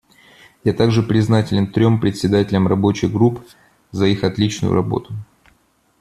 Я также признателен трем председателям рабочих групп за их отличную работу.